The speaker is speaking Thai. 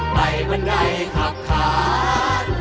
เพื่อพลังสะท้าของคนลูกทุก